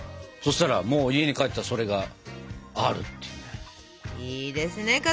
そしたらもう家に帰ったらそれがあるっていうね。